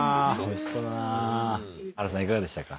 いかがでしたか？